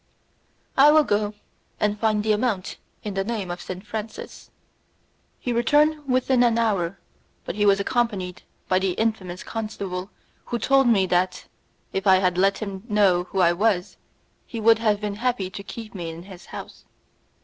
"I will go and find the amount in the name of Saint Francis." He returned within an hour, but he was accompanied by the infamous constable who told me that, if I had let him know who I was, he would have been happy to keep me in his house.